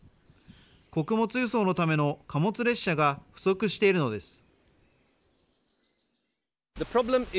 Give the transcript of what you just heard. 穀物輸送のための貨物列車が不足しているのです。